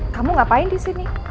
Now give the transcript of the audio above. kamu ngapain disini